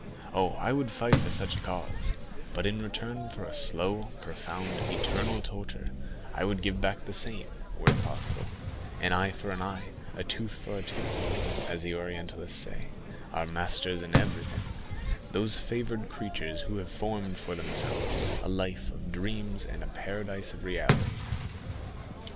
Oh, I would fight for such a cause; but in return for a slow, profound, eternal torture, I would give back the same, were it possible; an eye for an eye, a tooth for a tooth, as the Orientalists say,—our masters in everything,—those favored creatures who have formed for themselves a life of dreams and a paradise of realities."